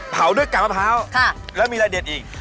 เผาด้วยกาบมะพร้าวแล้วมีอะไรเด็ดอีก